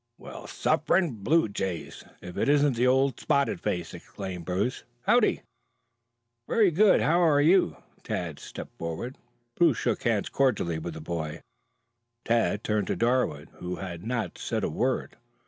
"Well, suffering blue jays, if it isn't old Spotted Face!" exclaimed Bruce. "Howdy?" "Very good. How are you?" Tad stepped forward. Bruce shook hands cordially with the boy. Tad turned to Darwood, who had not said a word.